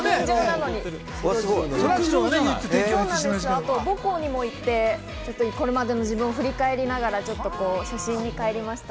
あと母校にも行ってこれまでの自分を振り返りながら、初心にかえりました。